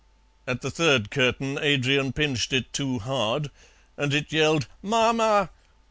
At the third curtain Adrian pinched it too hard, and it yelled 'Marmar'!